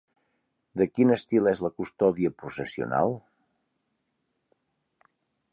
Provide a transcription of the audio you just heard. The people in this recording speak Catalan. De quin estil és la custòdia processional?